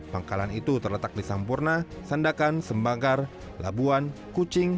pangkalan itu terletak di sampurna sandakan sembanggar labuan kucing